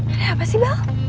ada apa sih bal